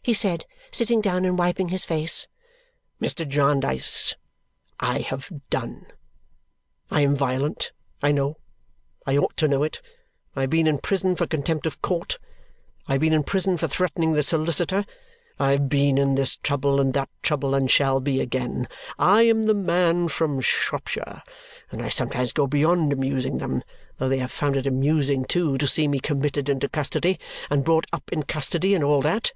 he said, sitting down and wiping his face. "Mr. Jarndyce, I have done! I am violent, I know. I ought to know it. I have been in prison for contempt of court. I have been in prison for threatening the solicitor. I have been in this trouble, and that trouble, and shall be again. I am the man from Shropshire, and I sometimes go beyond amusing them, though they have found it amusing, too, to see me committed into custody and brought up in custody and all that.